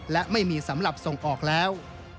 และไม่มีสำหรับส่งออกแล้ว